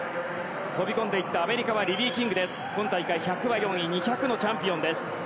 飛び込んでいったアメリカはリリー・キング１００ｍは４位２００ｍのチャンピオンです。